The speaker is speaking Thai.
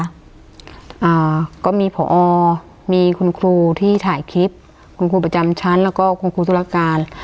อ่าก็มีผอมีคุณครูที่ถ่ายคลิปคุณครูประจำชั้นแล้วก็คุณครูธุรการ